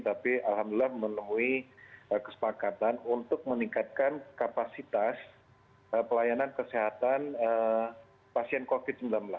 tapi alhamdulillah menemui kesepakatan untuk meningkatkan kapasitas pelayanan kesehatan pasien covid sembilan belas